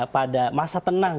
pada masa tenang